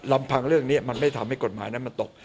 ลำพังเรื่องนี้มันไม่ทำให้กฎหมายนั้นมันตก